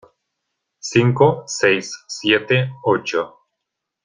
cinco, seis , siete , ocho.